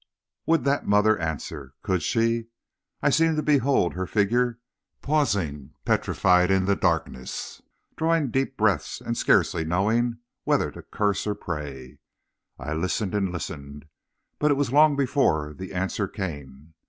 Would that mother answer? Could she? I seemed to behold her figure pausing petrified in the darkness, drawing deep breaths, and scarcely knowing whether to curse or pray. I listened and listened, but it was long before the answer came.